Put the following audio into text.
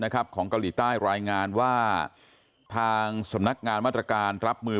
ของเกาหลีใต้รายงานว่าทางสำนักงานมาตรการรับมือ